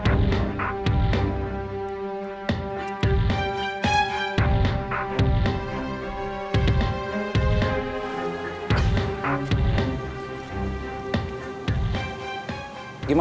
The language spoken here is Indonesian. cuma satu badan sakit semua